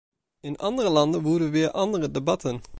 In andere landen woeden weer andere debatten.